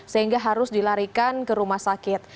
sehingga harus dilarikan ke rumah sakit